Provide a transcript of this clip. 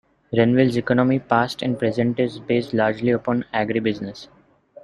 Renville's economy, past and present, is based largely upon agribusiness.